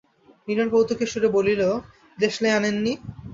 নীরেন কৌতুকের সুরে বলিল, দেশলাই আনেন নি।